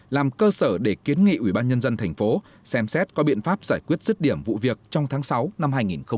làm cơ sở để kiến nghị ủy ban nhân dân thành phố xem xét có biện pháp giải quyết rứt điểm vụ việc trong tháng sáu năm hai nghìn hai mươi